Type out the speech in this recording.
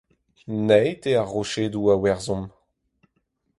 Naet eo ar rochedoù a werzhomp.